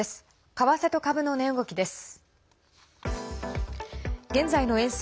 為替と株の値動きです。